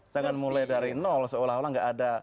jangan mulai dari nol seolah olah nggak ada